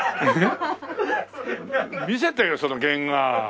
見せてよその原画。